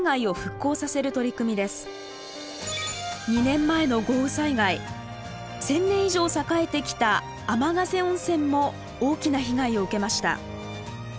２年前の豪雨災害１，０００年以上栄えてきた天ヶ瀬温泉も大きな被害を受けました。